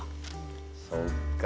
そっか。